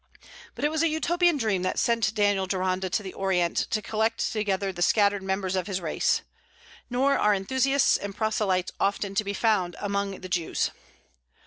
But it was a Utopian dream that sent Daniel Deronda to the Orient to collect together the scattered members of his race. Nor are enthusiasts and proselytes often found among the Jews.